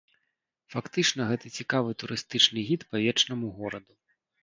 Фактычна гэта цікавы турыстычны гід па вечнаму гораду.